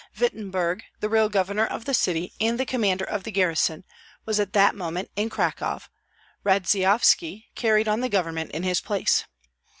Wittemberg, the real governor of the city and the commander of the garrison, was at that moment in Cracow; Radzeyovski carried on the government in his place.